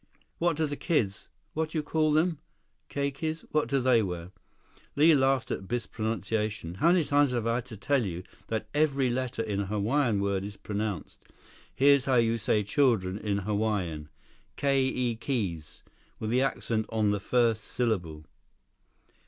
"What do the kids—what do you call them—keikis? What do they wear?" Li laughed at Biff's pronunciation. "How many times do I have to tell you that every letter in a Hawaiian word is pronounced? Here's how you say 'children' in Hawaiian: kay ee keys, with the accent on the first syllable."